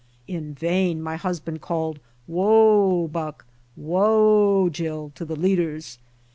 In vain my husband called "Whoa, Buck, whoa, Jill" to the leaders.